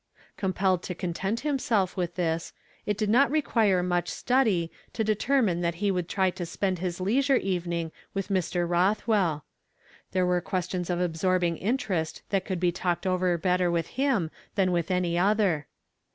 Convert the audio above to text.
Compelled to content himself with this, it did not require much study to determine that he wonhl try to spend his leisure evening with Mr. llotli I' r i'! ! ^66 YESTERDAY FRAMED IN TO DAV. well. There were questions of absorbing interest that could be talked over better with him than with any other.